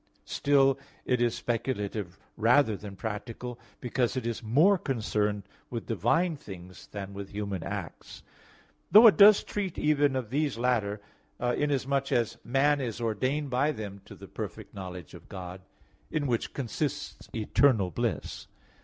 Still, it is speculative rather than practical because it is more concerned with divine things than with human acts; though it does treat even of these latter, inasmuch as man is ordained by them to the perfect knowledge of God in which consists eternal bliss.